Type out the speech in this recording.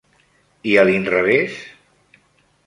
I a l'inrevés?